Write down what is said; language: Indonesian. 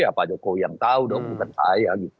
ya pak jokowi yang tahu dong bukan saya gitu